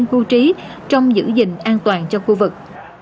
cư trí trong giữ gìn an toàn cho khu vực